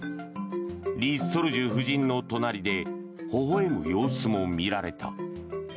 李雪主夫人の隣でほほ笑む様子も見られた。